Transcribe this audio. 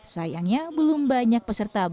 sayangnya belum banyak penyelenggara